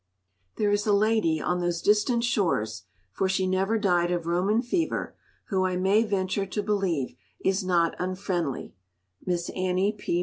There is a lady on those distant shores (for she never died of Roman fever) who I may venture to believe is not unfriendly—Miss Annie P.